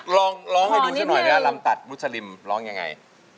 ลองให้ดูซักหน่อยดีกว่าลำตัดมุสลิมลองอย่างไร